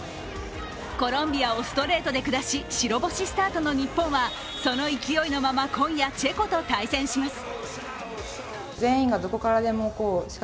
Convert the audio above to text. コロンビアをストレートで下し、白星スタートの日本はその勢いのまま、今夜チェコと対戦します。